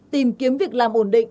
tìm kiếm việc làm ổn định